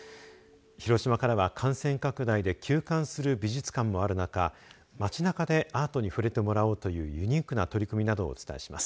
広島からは、感染拡大で休館する美術館もある中街なかでアートに触れてもらおうというユニークな取り組みなどをお伝えします。